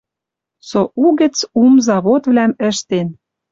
Со у гӹц ум заходвлӓм ӹштен